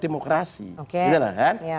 demokrasi ya kan